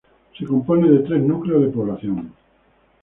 Se compone de tres núcleos de población.